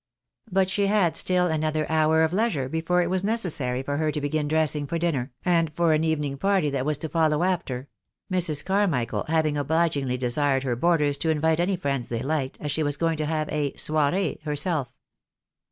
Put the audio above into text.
But she had still another hour of leisure before it was necessary for her to begin dressing for dinner, and for an evening party that was to follow after ; Mrs. Carmichael having obligingly desired her boarders to invite any friends they liked, as she was going to have a soiree herself.